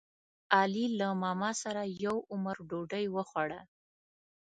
علي له ماماسره یو عمر ډوډۍ وخوړه.